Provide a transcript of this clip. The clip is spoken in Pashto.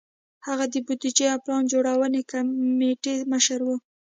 هغه د بودیجې او پلان جوړونې کمېټې مشر و.